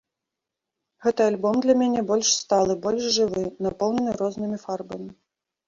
Гэты альбом для мяне больш сталы, больш жывы, напоўнены рознымі фарбамі.